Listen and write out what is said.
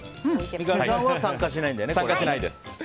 三上さんは参加しないんだよね。